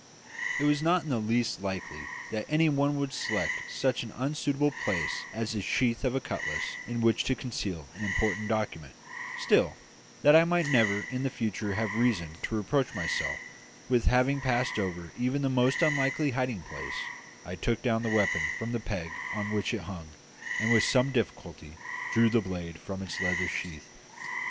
It was not in the least likely that any one would select such an unsuitable place as the sheath of a cutlass in which to conceal an important document; still, that I might never in the future have reason to reproach myself with having passed over even the most unlikely hiding place, I took down the weapon from the peg on which it hung, and with some difficulty drew the blade from its leather sheath.